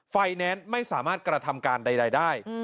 แนนซ์ไม่สามารถกระทำการใดได้